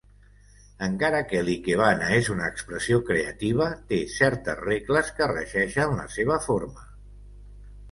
Encara que l'ikebana és una expressió creativa, té certes regles que regeixen la seva forma.